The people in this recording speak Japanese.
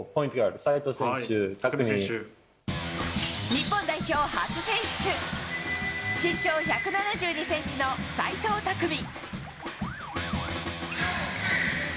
日本代表初選出身長１７２ｃｍの齋藤拓実。